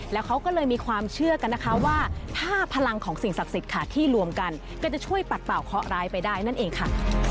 แล้วเขาก็เลยมีความเชื่อกันนะคะว่าถ้าพลังของสิ่งศักดิ์สิทธิ์ค่ะที่รวมกันก็จะช่วยปัดเป่าเคาะร้ายไปได้นั่นเองค่ะ